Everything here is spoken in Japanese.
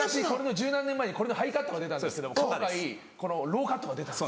１０何年前にこれのハイカットが出たんですけど今回このローカットが出たんです。